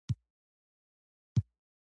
هغوی د سړک پر غاړه د موزون امید ننداره وکړه.